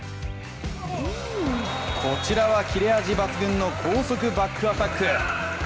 こちらは切れ味抜群の高速バックアタック。